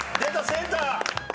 センター。